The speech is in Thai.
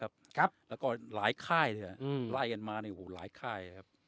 ครับครับแล้วก็หลายค่ายอืมไล่กันมานี่โอ้โหหลายค่ายครับ